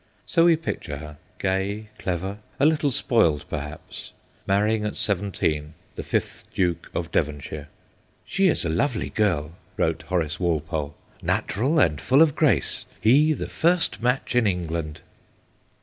So we picture her, gay, clever, a little spoiled perhaps, marrying at seventeen the fifth Duke of Devonshire. ' She is a lovely girl/ wrote Horace Walpole, 'natural and full of grace; he, the first match in England.'